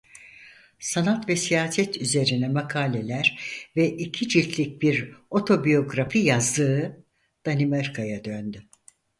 Sanat ve siyaset üzerine makaleler ve iki ciltlik bir otobiyografi yazdığı Danimarka'ya döndü.